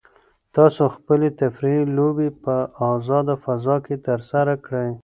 تاسو خپلې تفریحي لوبې په ازاده فضا کې ترسره کړئ.